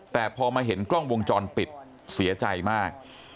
แต่พอมาเห็นกล้องวงจรปิดเสียใจมาก